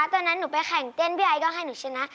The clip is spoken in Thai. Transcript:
ตอนนั้นหนูไปแข่งเต้นพี่ไอก็ให้หนูชนะ